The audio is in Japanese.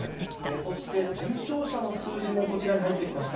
そして重症者の数字もこちらに入ってきました。